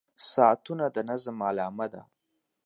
• ساعتونه د نظم علامه ده.